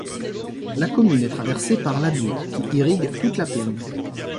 La commune est traversée par l’Adour qui irrigue toute la plaine.